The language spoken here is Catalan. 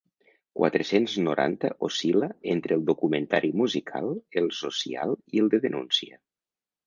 Quatre-cents noranta oscil·la entre el documentari musical, el social i el de denúncia.